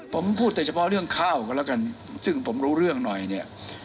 ผมพูดแต่เฉพาะเรื่องข้าวกันแล้วกันซึ่งผมรู้เรื่องหน่อยเนี่ย